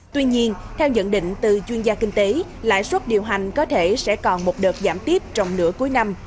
tuy nhiên theo nhận định từ chuyên gia kinh tế lãi suất điều hành có thể sẽ còn một đợt giảm tiếp trong nửa cuối năm